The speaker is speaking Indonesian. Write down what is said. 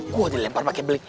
gue aja lempar pake bling